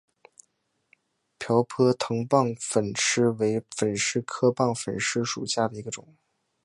瓢箪藤棒粉虱为粉虱科棒粉虱属下的一个种。